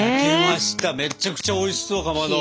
めちゃくちゃおいしそうかまど。